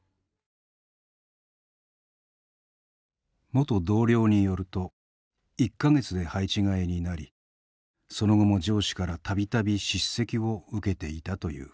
元同僚によると１か月で配置換えになりその後も上司から度々叱責を受けていたという。